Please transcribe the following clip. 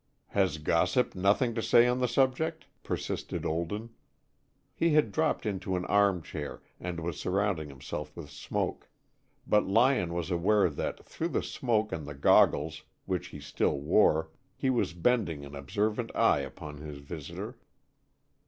"Has gossip nothing to say on the subject?" persisted Olden. He had dropped into an arm chair and was surrounding himself with smoke, but Lyon was aware that through the smoke and the goggles which he still wore he was bending an observant eye upon his visitor.